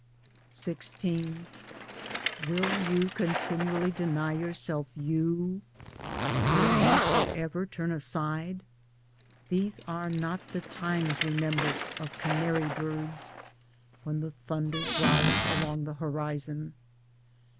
XVI Will you continually deny yourself, you ? Will you for ever turn aside ? These are not the times, remember, of canary birds — when the thunder growls along the horizon.